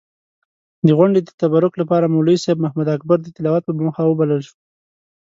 د غونډې د تبرک لپاره مولوي صېب محمداکبر د تلاوت پۀ موخه وبلل شو.